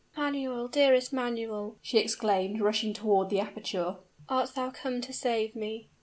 "Manuel! dearest Manuel!" she exclaimed, rushing toward the aperture: "art thou come to save me?"